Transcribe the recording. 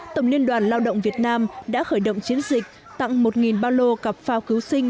tổng liên đoàn lao động việt nam đã khởi động chiến dịch tặng một ba lô cặp phao cứu sinh